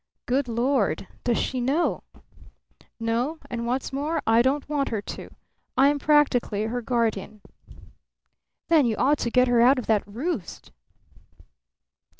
"Good Lord! Does she know?" "No. And what's more, I don't want her to. I am practically her guardian." "Then you ought to get her out of that roost."